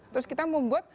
terus kita membuat